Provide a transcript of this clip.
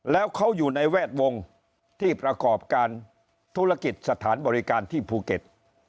แล้วเขาอยู่ในแวดวงที่ประกอบการธุรกิจสถานบริการที่ภูเก็ต